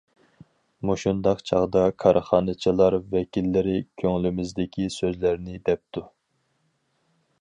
مۇشۇنداق چاغدا كارخانىچىلار ۋەكىللىرى كۆڭلىمىزدىكى سۆزلەرنى دەپتۇ.